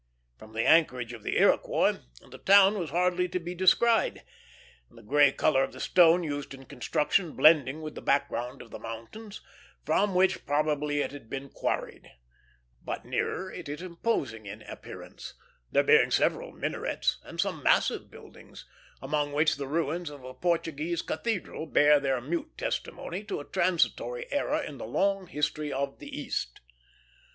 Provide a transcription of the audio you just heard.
From the anchorage of the Iroquois the town was hardly to be descried, the gray color of the stone used in construction blending with the background of the mountains, from which probably it had been quarried; but nearer it is imposing in appearance, there being several minarets, and some massive buildings, among which the ruins of a Portuguese cathedral bear their mute testimony to a transitory era in the long history of the East.